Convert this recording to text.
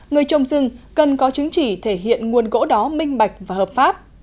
người trồng rừng cần có chứng chỉ thể hiện nguồn gỗ đó minh bạch và hợp pháp